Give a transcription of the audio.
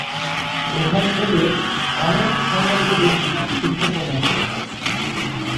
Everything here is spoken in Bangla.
এখান থেকে অনেক সম্মানিত ব্যক্তি শিক্ষা গ্রহণ করেছেন।